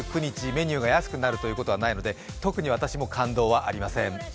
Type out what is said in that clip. メニューが安くなるということはないので特に私も感動はありません。